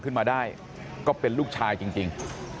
ขึ้นมาได้ก็เป็นลูกชายจริง